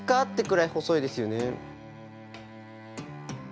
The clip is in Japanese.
ってくらい細いですよね。